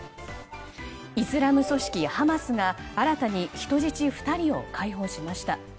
イスラム組織ハマスが新たに人質２人を解放しました。